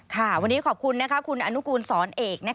วันนี้ขอบคุณคุณอนุกูลสอนเอก